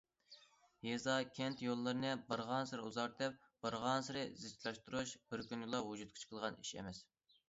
يېزا- كەنت يوللىرىنى بارغانسېرى ئۇزارتىپ، بارغانسېرى زىچلاشتۇرۇش بىر كۈندىلا ۋۇجۇدقا چىقىدىغان ئىش ئەمەس.